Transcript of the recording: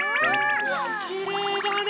うわきれいだね。